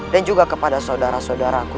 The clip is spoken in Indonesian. dan juga kepada saudara saudaraku